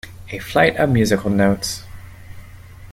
A flight of musical notes.